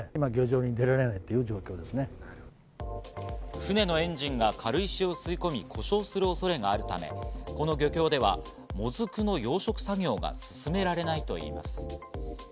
船のエンジンが軽石を吸い込み故障する恐れがあるため、この漁協ではもずくの養殖作業が進められないといいます。